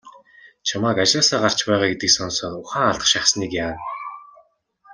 Чамайг ажлаасаа гарч байгаа гэдгийг сонсоод ухаан алдах шахсаныг яана.